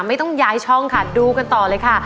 ไม่ต้องย้ายช่องค่ะดูกันต่อเลยค่ะ